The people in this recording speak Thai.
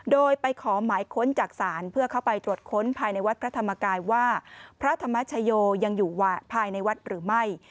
โดยไปขอหมายค้นจากศาลเพื่อเข้าไปตรวจค้นภายในวัดพระธรรมกายว่าพระธรรมชโยยังอยู่ภายในวัดหรือไม่